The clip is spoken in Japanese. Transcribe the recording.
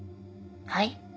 はい？